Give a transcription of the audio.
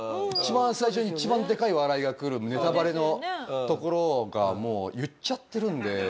一番最初に一番でかい笑いがくるネタバレのところがもう言っちゃってるんで。